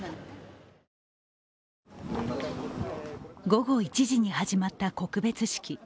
午後１時に始まった告別式。